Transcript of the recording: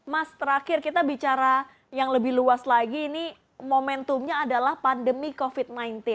mas terakhir kita bicara yang lebih luas lagi ini momentumnya adalah pandemi covid sembilan belas